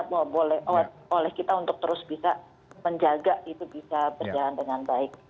yang penting ya boleh kita untuk terus bisa menjaga itu bisa berjalan dengan baik